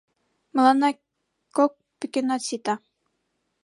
— Мыланна кок пӱкенат сита.